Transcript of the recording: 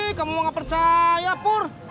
ih kamu nggak percaya pur